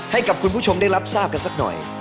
ให้กับคุณผู้ชมได้รับทราบกันสักหน่อย